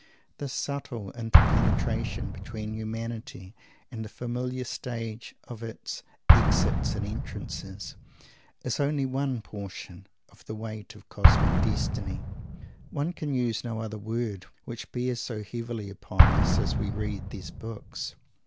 This subtle inter penetration between humanity and the familiar Stage of its "exits and entrances" is only one portion of the weight of "cosmic" destiny one can use no other word which bears so heavily upon us as we read these books.